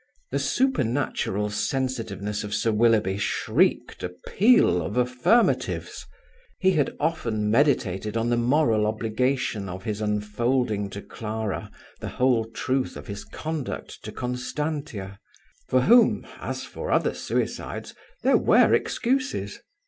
The supernatural sensitiveness of Sir Willoughby shrieked a peal of affirmatives. He had often meditated on the moral obligation of his unfolding to Clara the whole truth of his conduct to Constantia; for whom, as for other suicides, there were excuses.